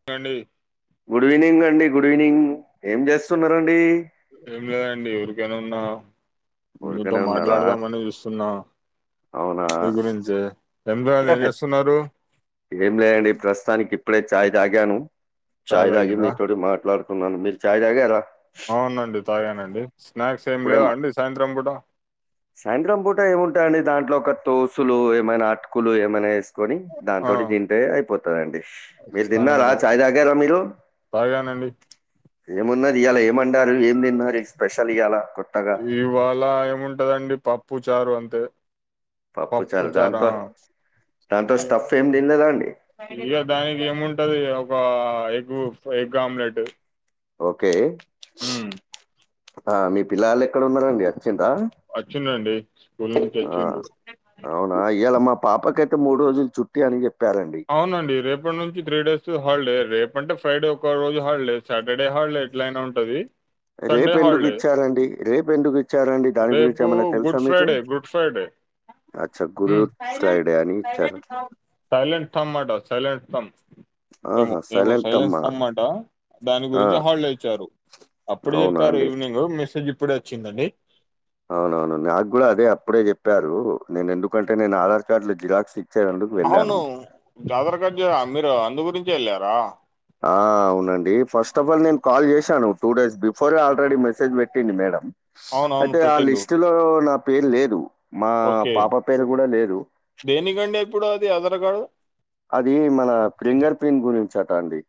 చెప్పండి good evening అండి good evening ఏం చేస్తున్నారండి? ఏం లేదండి ఊరికేనే ఉన్నా మీతో ఊరికనే ఉన్నారా మాట్లాడదామని చూస్తున్నా? అవునా మీ గురించి ఏం రా ఏం చేస్తున్నారు? ఏం లేదండి ప్రస్తుతానికి ఇప్పుడే చాయ్ తాగాను. చాయ్ తాగి మీతోటి మాట్లాడుతున్నా. మీరు చాయ్ తాగారా? అవునండి తాగానండి స్నాక్స్ ఏమి ఇప్పుడే లేవా మా అండి సాయంత్రం పూట సాయంత్రం పూట ఏముంటాయండి దాంట్లో ఒక తోసులు, ఏమైనా అటుకులు, ఏమైనా అసి వేసుకొని దాని ఆ తోటి తింటే అయిపోతాదండి. మీరు తిన్నారా చాయ్ తాగారా మీరు? ఒకే అనండి ఏమున్నది ఇయాల ఏమండారు ఏం తిన్నారు స్పెషల్ ఇయాల కొత్తగా ఇవాళ ఏముంటదండి పప్పు చారు అంతే పప్పు చారు దాంతో దాంతో స్టఫ్ ఏమి తిందా అండి ఇక దానికి ఏముంటది ఒక ఎగ్ ఎగ్ ఆమ్లెట్ ఓకే ఉమ్, ఆ మీ పిలగలూ ఎక్కడ ఉన్నారండీ అచిన్లా వచ్చింలండి స్కూల్ నుంచి వచ్చిలు అవునా ఇవాళ మా పాపకైతే మూడు రోజులు చుట్టి అని చెప్పారండి అవునండి రేపటి నుంచి త్రీ డేస్ హాలిడే రేపంటే ఫ్రైడే ఒక రోజు హాల్డే సాటర్డే హాల్డే ఎట్ల అయినా ఉంటది సండే రేపెందుకు హల్డే ఇచ్చారండి? రేపెందుకు ఇచ్చారండి? దాని గురించి రేపు ఏమన్నా తెలుసా గుడ్ మీకు? ఫ్రైడే గుడ్ ఫ్రైడే అచ్చా! గుడ్ ఊ సాయిరాం ఫ్రైడే అని సాయిరాం ఇచ్చారు. ఇటు రావు సైలెంట్ థమ్ ఆట సైలెంట్ థమ్ ఏమో ఆహా! ఏమో సైలెంతమ్మ. సైలెన్స్ థంబ్ అటా దాని ఆ! గురించి హాలిడే ఇచ్చారు అప్పుడు అవునా చెప్తారు అండి? ఈవినింగ్ మెసేజ్ ఇప్పుడే వచ్చిందండి అవునవును నాకు కూడా అదే అప్పుడే చెప్పారు నేను ఎందుకంటే నేను ఆధార్ కార్డు లు జిరాక్స్ ఇ అవును జాతర గార్జ మీరు అందు గురించే వెళ్ళారా ఆ అవునండి ఫస్ట్ ఆఫ్ ఆల్ నేను కాల్ చేశాను టూ డేస్ బిఫోర్ ఏ ఆల్రెడీ మెసేజ్ పెట్టింది మేడం అవునవును అయితే ఆ పెట్టిండ్రు. లిస్టు లో నా పేరు లేదు మా ఓకే. పాప పేరు కూడా లేదు దేనికండి ఇప్పుడు అది ఆధార్ కార్డు అది మన ఫింగర్ ప్రింట్ గురించట అండి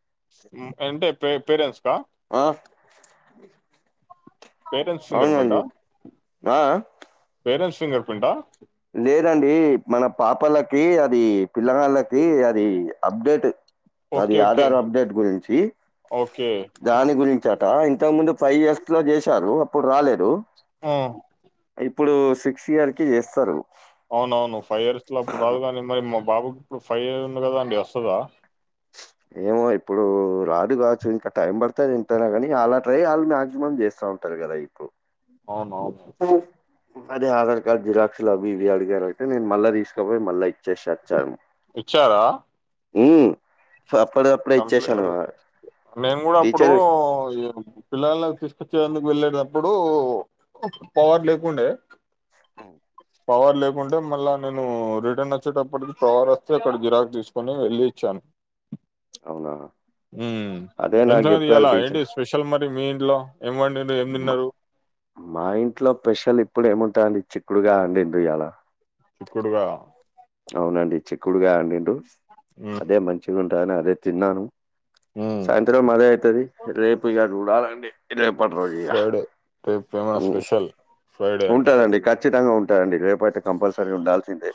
ఉ అంటే పే పేరెంట్స్కా ఆ పరెంట్స్ సింగర్ ప్రింట్ అవునండి. హా ఆ! ఆ! పేరెంట్స్ సింగర్ ప్రింట్ హా లేదండి మన పాపలకి అది పిలగాన్లకి అది అప్డేట్ అది ఓకే. ఓకే. ఆధార్ అప్డేట్ గురించి ఓకే. దాని గురించట ఇంతకు ముందు ఫైవ్ ఇయర్స్ లో చేశారు అప్పుడు రాలేదు ఆ ఇప్పుడు సిక్స్ ఇయర్ కి చే అవునవును ఫైవ్ ఇయర్స్ లో అప్పుడు రాదుగాని మరి మా బాబుకి ఇప్పుడు ఫైవ్ ఇయర్స్ ఉంది కదా అండి వస్తాద ఏమో ఇప్పుడు రాదు కావచ్చు ఇంకా టైం పడుతది ఎంతనా కాని అలా ట్రై వాళ్ళు మాక్సిమం చేస్తా ఉంటారు కదా ఇప్పుడు అవునవును ఒ అదే ఆధార్ కార్డు జిరాక్స్ లు అవి ఇవి అడిగారు అయితే నేను మళ్ళా తీసుకపోయి మల్లా ఇచ్చేసచ్చాను ఇచ్చావా ఉమ్ సొ అపడిదపుడు కంప్లీట్ మేము కూడా అప్పుడు టీచర్ ఏం పిల్లగాండ్లకు తీసుకొచ్చేందుకు వెళ్ళేటప్పుడు పవర్ లేకుండే ఉమ్ పవర్ లేకుంటే మళ్ళా నేను రిటర్న్ వచ్చేటప్పటికి పవర్ వస్తే అక్కడ జిరాక్ తీసుకొని వెళ్ళి ఇచ్చాను అవునా ఊ అదే నాకు ఎంతంది చెప్పారు ఇయలా టీచర్ ఏంటి స్పెషల్ మరి మీ ఇంట్లో ఏం వండిన్లు ఏం మా తిన్నరు మా ఇంట్లో స్పెషల్ ఇప్పుడు ఏముంటదండీ చికుడుగాయ అండిన్లు ఇయాళ చిక్కుడుగాయ అవునండి చిక్కుడుగాయా అండింన్లు హ్మ్. అదే మంచిగా ఉంటదని అదే తిన్నాను హ్మ్. సాయంత్రం అదే అయితది రేపు ఇగ చూడాలండి రే పటి రోజు ఇగ ఫ్రైడే రేపు ఏమైనా స్పెషల్ ఫ్రైడే అంటే ఉంటదండి క ఖచ్చితంగా ఉంటారండి రేపుఅయితే కంపల్సరీ ఉండాల్సిందే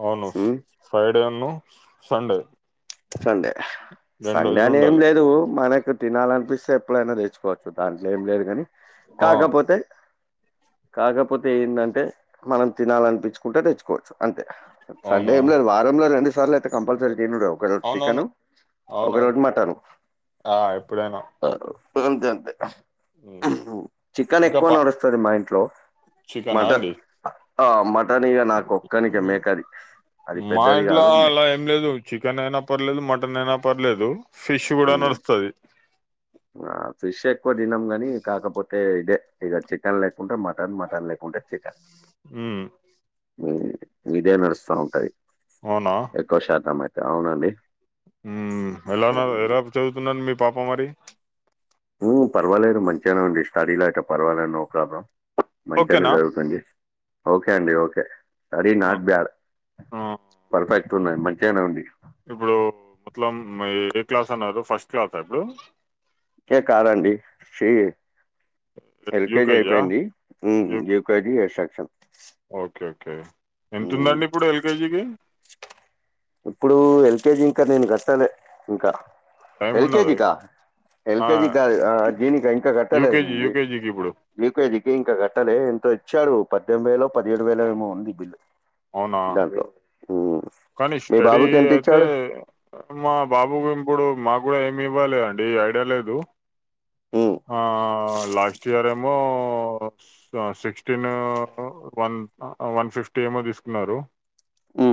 అవును ఉమ్ ఫ్రైడే ను సండే సండే రెండు సండే రోజులు అని ఏం ఉండాలి లేదు మనకు తినాలనిపిస్తే ఎప్పుడైనా తెచ్చుకోవచ్చు దాంట్ల ఏం లేదు గాని ఆ కాకపోతే కాకపోతే ఏంటంటే మనం తినాలనిపిచ్చుకుంటే తెచ్చుకోవచ్చు అంతే సండే అవునా ఏం లేదు వారంలో రెండు సార్లు అయితే కంపల్సరీ తినుడు ఒక అవునవును చికెను ఒక అవునవును రోజు మటను ఆ ఎప్పుడైనా అంతే అంతే ఉమ్, చికెన్ ఇంకా ఎక్కువ పా నడుస్తది మా ఇంట్లో చికెనా మటన్ అండి ఆ మటన్ ఇగ నాకు ఒక్కనిక ఉమ్, మేకది అది మా పెద్దది ఇంట్లో కాదు మే అలా లేదు చికెన్ అయినా పర్లేదు మటన్ అయినా పర్లేదు ఫిష్ కూడా హ్మ్. నడుస్తది ఆ ఫిష్ ఎక్కువ తినం గాని కాకపోతే ఇదే ఇక చికెన్ లేకుంటే మటన్ మటన్ లేకుంటే చికెన్ హూ హు మీదే నడుస్తా ఉంటది అవునా ఎక్కువ శాతం అయితే అవునండి హు ఎలా ఉన్నారు ఎలా చదువుతున్నాండి మీ పాప మరి హు పర్వాలేదు మంచిగానే ఉండి స్టడీలో అయితే పర్వాలేదు నో ప్రాబ్లెం మంచి గానే ఓకేనా చదువుతుంది ఓకే అండి ఓకే సరీ ఆ, నాట్ బేడ్ ఆ, పర్ఫెక్ట్ ఉన్నది మంచిగానే ఉండి ఇప్పుడు మొత్తలం ఏ క్లాస్ అన్నారు ఫస్ట్ క్లాస్ ఆ ఇప్పుడు హే కాదండి ఫ్రీ ఎల్కేజీ యూకేజా అయిపోయింది ఊ యూ యూకేజీ ఎస్టక్షన్ ఓకే ఓకే హ్మ్. ఎంతుమ్దండి ఇప్పుడు ఎల్కేజీకి ఇప్పుడు ఎల్కేజి ఇంకా నేను గట్టలే ఇంకా టైం ఉన్నది ఎల్కేజీకా ఆ ఎల్కేజి కాదు ఆ జీని ఇంకా యూకేజీ కట్టలేదండి యూకేజీకి ఇప్పుడు యుకెజికి ఇంకా కట్టలే ఎంతో ఇచ్చాడు పద్దెనిమిది వేలో పదిహేడు వేలు ఏమో ఉంది బిల్లు అవునా దాంట్లో ఉమ్. కానీ మీ స్టడీ బాబుకి ఎంత అయితే ఇచ్చాడు మా బాబుకు ఇప్పుడు మాకు కూడా ఏమి ఇవ్వలే అండి ఐడియా లేదు ఉమ్, ఆ లాస్ట్ ఇయర్ ఏమో ఆ సిక్స్టీన్ వన్ వన్ ఫిఫ్టీ ఏమో తీసుకున్నారు హు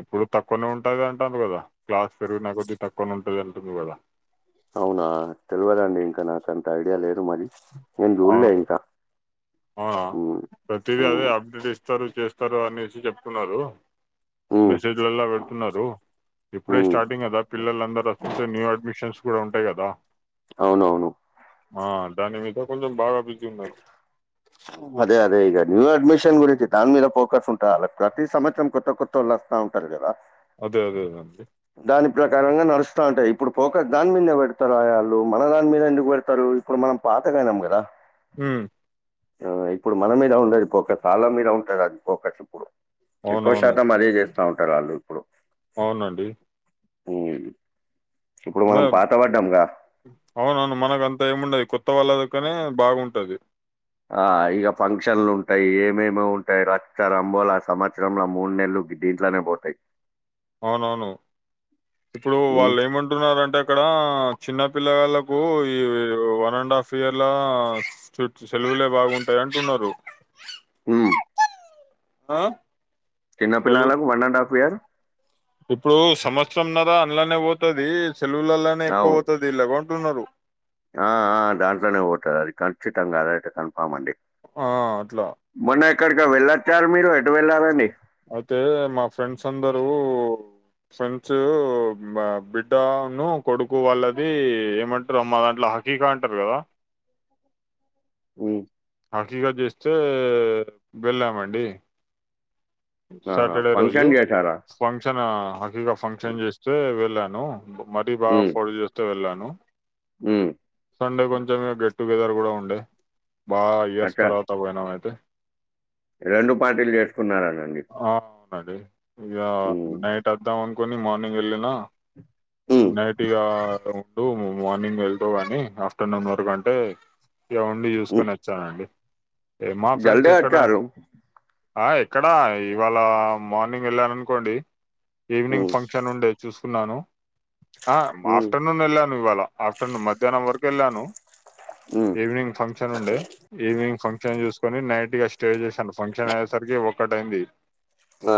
ఇప్పుడు తక్కువనే ఉంటది అంటుండ్ర్రు కదా క్లాస్ పెరిగిన కొద్ది తక్కువనే ఉంటది అంటుండ్రూ కదా అవునా తెల్వదాండి ఇంకా నాకంత ఐడియా లేదు మరి నేన్ చూడలే అవును ఇంకా అవునా ఉమ్, ప్రతిది అదే ఉమ్, అప్డేట్ ఇస్తారు చేస్తారు అనేసి చెప్తున్నారు ఉమ్, మెసేజ్లలా పెడుతున్నారు ఇప్పుడే ఉమ్. స్టార్టింగ్ కదా పిల్లలందరు రస్తుంటే న్యూ అడ్మిషన్స్ కూడా ఉంటాయి కదా అవునవును ఆ దాని మీద కొంచెం బాగా బిజీ ఉన్నారు హు అదే అదే ఇక న్యూ అడ్మిషన్ గురించి దాని మీద ఫోకస్ ఉంటా లే ఆళ్లకు ప్రతి సంవత్సరం కొత్త కొ. కొత్తోలస్తా ఉంటారు గదా. అదే అదే అ అండి. దాని ప్రకారంగా నడుస్తా ఉంటాయి ఇప్పుడు పోకస్ దాని మీన్నే వేడతరాయే ఆళ్ళు మన దాని మీద ఎందుకు వేడతరూ. ఇప్పుడు మనం పాతగయినాం గదా. ఉ. అ ఇప్పుడు మన మీద ఉండది ఫోకస్ ఆళ్ల మీద ఉంటది అది ఫోకాస్ ఇప్పుడు. ఎక్కో అవునవును శాతం అదే చేస్తా ఉంటారు వాళ్ళు ఇప్పుడు. అవునండి. హు ఇప్పుడు మనం బ- పాత వడ్డాంగా. అవునవును మనకంత ఏముండది కొత్త వాళ్ళ దగ్గరే బాగుంటది. ఆ ఇగ పంక్షన్లుంటాయ్ ఏమేమో ఉంటాయ్ రచ్చరబోలా సమస్రమం లో మూనెల్లు గి. దీంట్లనే బోతాయ్. అవునవును ఇప్పుడు హ్మ్ వాళ్ళు ఏమంటున్నారంటే అక్కడా. చిన్నపిలగల్లాకు ఈ వన్ అండ్ హాఫీయర్ల. చుట్ సెలువులే బాగుంటయంటున్నారు. ఉమ్. ఆ. చిన్న సెలవు పిల్లలకు వన్ అండ్ హాఫీయర్. ఇప్పుడు సంవత్సరం న్నారా అంళ్లనే పోతుది సేలువుల్లనే ఎక్కో వోతది ఇలాగాంటున్నారు. అ ఆ దాంట్లనే వోతది ఖచ్చితంగా అదైతే కన్ఫామ్ అండి. ఆ ఆ అట్లా. మొన్న ఎక్కడికో వెళ్ళొచ్చారు మీరు ఎటువెళ్లారండి. అయితే మా ఫ్రెండ్స్ఫ్రెండ్సందరూ. ఫ్రెండ్స్ ఊ బా బిడ్డఉన్ను కొడుకు వాళ్ళది ఏమంటరమ్మ ట్ల. టీ కా కాంటారు గదా. ఉ. హకీగ జేస్తే వెళ్ళామండి. ఆహా, సాటర్డే రోజు. ఫంక్షన్ చేశారా ఫంక్షనా హకీగా ఫంక్షన్ జేస్తే వెళ్ళాను మరీ బా ఉమ్, ఫోడ్ జే. తే వెళ్ళాను ఉమ్, సండే కొంచం ఇగ గెస్ట్ గెదర్ గుడా ఉండే. బా ఇయర్స్ అచ్చా తరవత వాయినమైతే. రెండు పార్టీలు జేసుకున్నారానండి. ఆ అవునండి ఇగా నైట్ వనుకోని మార్నింగ్ ఏళ్ళినా. ఉమ్, నైటి ఈగా ఉండు మార్నింగ్ ఏళ్తవ్ అనీ ఆఫ్టర్నూన్ వరకు అంటే. ఇగ ఉండి ఉమ్. జూసుకున్న అచ్చానండి ఇగ మా ఫ్రెండ్స్ జల్దే ఎక్కడ. వచ్చారు ఆ ఎక్కడా ఏ ఇవాళ మార్నింగ్ ఏళ్ళాననుకోండి. ఉమ్, ఈవినింగ్ ఫంక్షన్ ఉండే చూసుకున్నాను అ ఉమ్, మాఫ్టర్న్ ను. నూన్ ఏళ్ళాను ఇవాళ ఆఫ్టర్నూన్ మధ్యాహనం వరకు ఏళ్లను. ఉ. ఈవినింగ్ ఫంక్షన్ ఉండే. ఈవినింగ్ ఫంక్షన్ జూసుకొని నైట్ ఇగ స్టే జేశాను ఫంక్షన్ అయ్యేసరికి ఒకక్కటయింది. ఆ.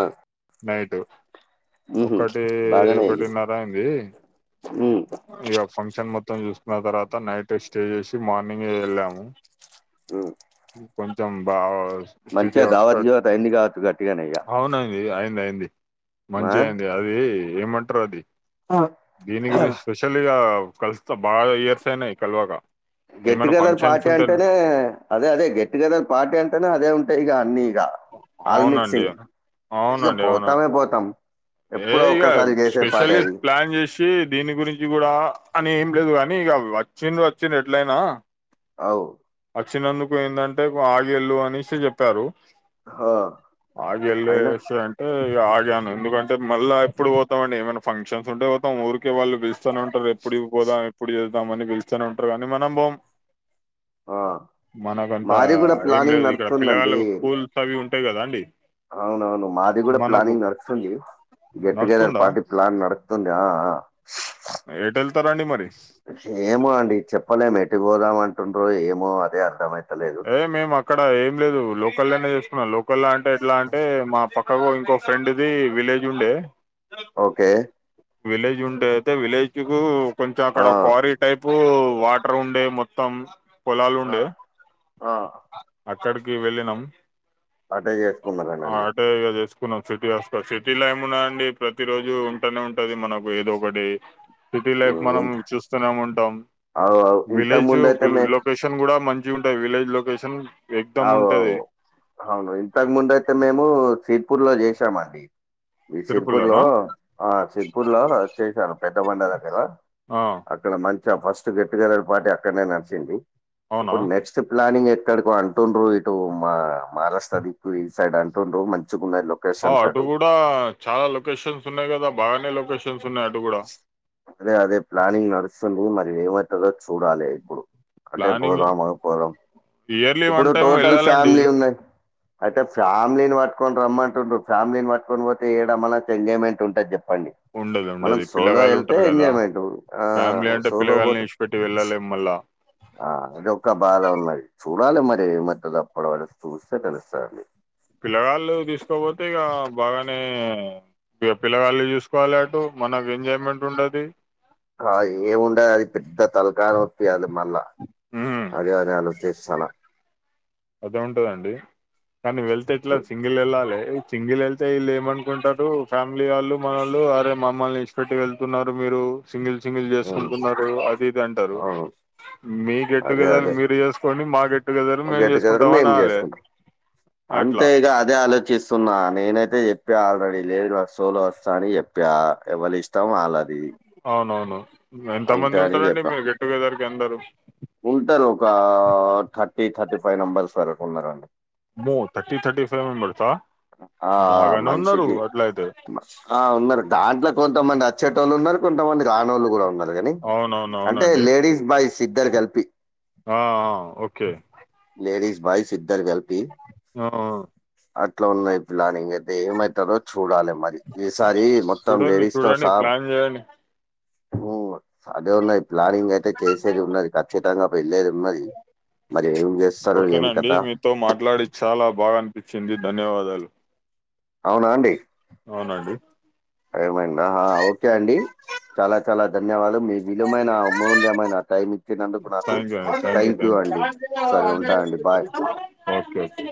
నైటు. ఉహు, ఒకటి బాగానే అయ్యి ఒకటిన్నరంది ఉమ్, ఈగ ఫంక్షన్ మొ. మొత్తం చూసుకున్న తర్వాత నైట్ స్టే చేసి మార్నింగే వెళ్ళాము ఉమ్ కొంచెం బాగా మంచిగా దావత్ గీవత్ అయింది కావచ్చు గట్టిగానే ఇక అవునంది అయింది అయింది మా మంచి అయింది అది ఏమంటారు అది దీని గురించి స్పెషల్గా కల్స్తతా బాగా ఇయర్సయినా కలవక గెట్ ఏమైనా టుగెదర్ ఫంక్షన్స్ పార్టీ ఉంటే అంటేనే అదే అదే గెట్ టుగెదర్ పార్టీ అంటేనే అదే ఉంటాయి ఈగ అన్ని ఈగ ఆల్ అవునండి మిక్సింగ్ ఈగ అవునండి అవును పోతామే పోతాం ఏ ఎప్పుడో ఒక్కసారి చేసే పాటే అది వచ్చి దీని గురించి కూడా అని ఏం లేదు కానీ ఇగ వచ్చింది వచ్చి ఎట్లయినా అవు వచ్చినందుకు ఏంటంటే ఆగిళ్ళు అనేసి చెప్పారు హా, ఆ అయినా ఎలిస అంటే ఆ ఆగి ఎందుకుంట అంటే మళ్ళా ఎప్పుడు పోతాం అండి ఏమై ఫంక్షన్స్ంటే పోతాం ఊరి వాళ్ళు పిలుస్తానే ఉంటారు ఎప్పుడు ఇ పోదా ఇప్పుడు చేద్దామని పిలుస్తానే ఉంటారు కానీ మనం పోము ఆ, మనకంతా మాది కూడా ఏం ప్లానింగ్ లేదు ఇక్కడ నడుతుందండి పిల్లలకు స్కూల్ అవి ఉంటాయి కదా అండి అవునవును మాది కూడా మనకు ప్లానింగ్ నడుస్తుంది గెట్టుగెదర్ నడుస్తుందా పార్టి ప్లాన్ నడుస్తుంది ఆ ఆ ఏటెంత రండి మరీష్ ఏమో అండి చెప్పలేము ఎట్టి పోదాం అంటుండ్రో ఏమో అదే అర్థమయితలేదు ఏ మేము అక్కడ ఏం లేదు లోకల్లోనే చేసుకున్నాం లోకల్ అంటే ఎట్లా అంటే మా పక్క ఎట్లాగో ఇంకో ఫ్రెండ్ది విలేజ్ ఉండే ఓకే విలేజ్ ఉండే అయితే విలేజ్ కు కొంచెం అక్కడ ఆ కారి టైపు వాటర్ ఉండే మొత్తం పొలాలు ఆ ఉండే ఆ అక్కడికి వెళ్ళినం అటే చేసుకున్నారనండి ఇగా చేసుకున్నాం సిటీ వస్ సిటీ ఏము ఉన్నా అండి ప్రతి రోజు ఉంటనే ఉంటది మనకు ఏదో ఒకటి సిటీ లైఫ్ మనం ఇంకా చూస్తూనే ఉంటాం అవు అవు ఇంతకు విలేజ్ ముందు అయితే మే లొకేషన్ కూడా మం మంచిగా ఉంటాయి విలేజ్ లొకేషన్ ఎక్దమ్ అవు ఉంటది అవు అవును ఇంతకు ముందు అయితే మేము సిర్పూర్ లో చేసామండి ఈ సిర్పూర్ లో తిరుపుల్లోనా ఆ సిర్పూర్ లో చేశాను పెద్ద బండ దగ్గర ఆ ఇక్కడ మంచిగా ఫస్ట్ గెట్ టుగెదర్ పార్టీ అక్కడనే నడిచింది అవునా ఇప్పుడు నెక్స్ట్ ప్లానింగ్ ఎక్కడికో అం టండ్రు ఇటు మా మహారాష్ట్ర దిక్కు ఈ సైడ్ అంటుండ్రు మంచిగా ఉన్న లో ఆ అటు కూడా చాలా లొకేషన్స్ ఉన్నాయి కదా బాగానే లొకేషన్స్ ఉన్నాయి అటు కూడా అదే అదే ప్లానింగ్ నడుస్తుంది మరి ఏమంటదో చూడాలి ఇప్పుడు అంటే ప్లానింగ్ పోదామా పోదాం ఇయర్లీ ఇప్పుడు వన్ టైమ్ టోటల్ వెళ్ళాలండి ఫ్యామిలీ ఉన్నాయి అయితే ఫ్యామిలీని పట్టుకొని రమ్మంటుండ్ర ఫ్యామిలీని పట్టుకొని పోతే ఏడ మల ఎంజాయ్మెంట్ ఉంటుంది చెప్పండి ఉండదు మనం ఉండదు సోలో పిల్లగాళ్ళు వెళ్తే ఉంటారు కదా ఎంజాయ్మెంట్ ఆ ఫ్యామిలీ అంటే సోలో పిల్లగాల్ని పోతే ఇడిచిపెట్టి వెళ్ళలేం మళ్ళా ఆ అది ఒక్క బాధ ఉన్నాది చూడాలి మరి ఏమద్దంది అప్పడ వర చూస్తే తెలుస్తా దండి పిల్లగాళ్ళు తీసుకోపోతే ఇక బాగానే ఇ పిల్లగాళ్లు చూసుకోవాలి అటు మనకు ఎంజాయ్మెంట్ ఉండది ఏముండదు అది పెద్ద తలకాయ నొప్పి అది మళ్ళా ఉమ్, అదే అయన ఆలోచన చేస్ చాలా అదే ఉంటదండి కానీ వెళ్తే ఇట్లా సింగిల్ వెళ్ళాలి సింగిల్ వెళ్తే ఇళ్ళు ఏమనుకుంటారు ఫ్యామిలీ వాళ్ళు మల్లు అరే మమ్మల్ని విడిచి పెట్టి వెళ్తున్నారు మీరు సింగిల్ సింగిల్ ఉమ్ చేసుకుంటున్నారు అది ఇది అంటారు అవును మీ అదే గెట్టుగెదర్ అదే మీరు చే సుకోని మా గెట్ టుగెదర్ మే గెట్ చేసు టుగెదర్ మేము చేసుకుంటాం అంతే అట్లా ఇ అదే ఆలోచిస్తున్నా నేనైతే చెప్పా ఆల్రెడీ లేడీ సోలో వస్తా అని చెప్పా ఎవ్వరి ఇ ష్టం అలా అవునవును ఎంత మంది అని ఉంటారండి చెప్పా మీ గెట్టుగెదర్ కి అందరు ఉంటారు ఒక థర్టీ థర్టీ ఫైవ్ మెంబర్స్ వరకు ఉన్నారండి మో థర్టీ థర్టీ ఫైవ్ మెంబర్సా ఆ బాగానే ఉన్నారు మనిషికి అట్లా అయితే ఆ ఉన్నారు దాంట్లో కొంతమంది అచ్చేటీ వాళ్ళు ఉన్నారు కొంతమంది రానోళ్ళు కూడా ఉండాలి కానీ అవునవును. అంటే అవునండి. లేడీస్ బాయ్స్ ఇద్దరు కలిపి ఆ ఓకే లేడీస్ బాయ్స్ ఇద్దరు కలిపి ఆ ఇట్లా ఉన్నయి ప్లానింగ్ అయితే ఏమవుతారో చూడాలి మరి ఈసారి మొత్తం చూడండి, లేడీస్ తో చూడండి. సా ప్లాన్ చేయండి. అదే ఉన్నయి ప్లానింగ్ అయితే చేసేది ఉన్నది ఖచ్చితంగా వెళ్ళేది ఉన్నది మరి ఏం చేస్తారు ఏం కథ తో మాట్లాడి చాలా బాగా అనిపించింది ధన్యవాదాలు అవునా అండి అవునండి అమై ఓకే అండి చాలా చాలా ధన్యవాదాలు మీ విలుమైన అమ్ముల్యమైన టైం మిచ్చినందుకు నాకు థాంక్ యూ అండి. థాంక్ థ్యాంక్ యూ అండి సరే థాంక్ యూ. ఉంటా అండి బాయ్ ఓకే ఓకే